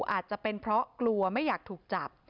อาจจะเป็นเพราะกลัวไม่อยากถูกจับ